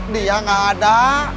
dia gak ada